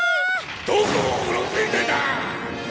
どこをうろついてた！？